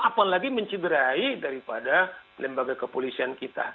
apalagi mencederai daripada lembaga kepolisian kita